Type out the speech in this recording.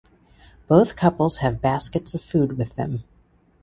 Both couples have baskets of food with them.